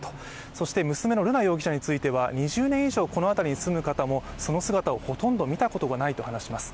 そして娘の瑠奈容疑者については２０年以上この辺りに住む方もその姿をほとんど見たことがないと話します。